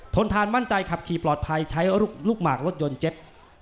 นทานมั่นใจขับขี่ปลอดภัยใช้ลูกหมากรถยนต์เจ็บ